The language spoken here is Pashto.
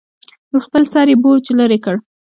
له خپل سره یې بوج لرې کړ.